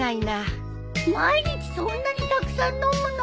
毎日そんなにたくさん飲むの！？